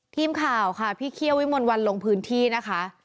ทีมข่าวค่ะพี่เคี่ยววิมลวันลงพื้นที่นะคะ